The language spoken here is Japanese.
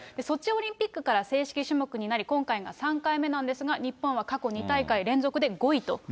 ソチオリンピックから正式種目になり今回が３回目なんですが、日本は過去２大会連続で５位と。